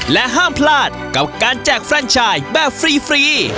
และห้ามพลาดกับการแจกแฟนชายแบบฟรี